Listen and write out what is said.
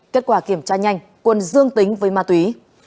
kết quả kiểm tra nhanh quân dương tính với ma túy